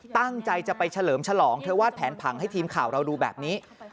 ตั้งใจจะไปเฉลิมฉลองเธอวาดแผนผังให้ทีมข่าวเราดูแบบนี้